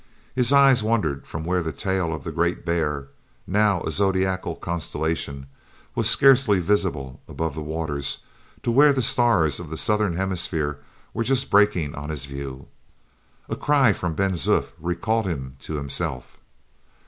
His eyes wandered from where the tail of the Great Bear, now a zodiacal constellation, was scarcely visible above the waters, to where the stars of the southern hemisphere were just breaking on his view. A cry from Ben Zoof recalled him to himself.